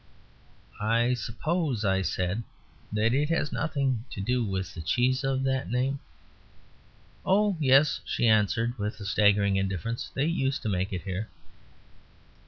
"I suppose," I said, "that it has nothing to do with the cheese of that name." "Oh, yes," she answered, with a staggering indifference, "they used to make it here."